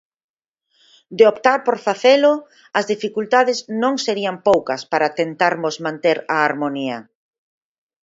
De optar por facelo as dificultades non serían poucas para tentarmos manter a harmonía.